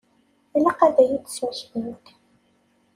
Ilaq ad iyi-d-tesmektimt.